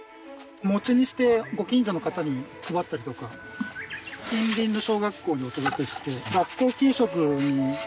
餅にしてご近所の方に配ったりとか近隣の小学校にお届けして学校給食に。